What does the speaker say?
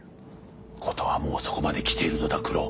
事はもうそこまで来ているのだ九郎。